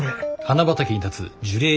花畑に立つ樹齢